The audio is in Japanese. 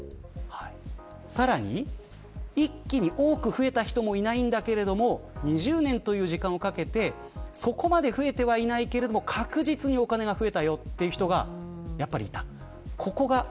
さらに、一気に多く増えた人もいないんだけれども２０年という時間をかけてそこまで増えてはいないけど確実にお金が増えたよという人がいた。